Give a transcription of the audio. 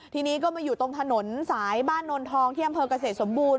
ทีนี้ก็มาอยู่ตรงถนนสายบ้านนนทองที่อำเภอกเกษตรสมบูรณ